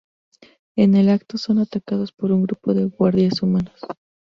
En el acto son atacados por un grupo de guardias humanos.